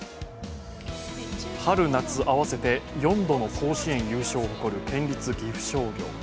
春夏合わせて４度の甲子園優勝を誇る県立岐阜商業。